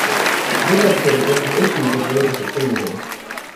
This episode addresses issues of religious extremism.